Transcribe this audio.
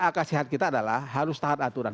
akasihat kita adalah harus tahap aturan